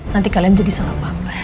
nanti kalian jadi salah paham lagi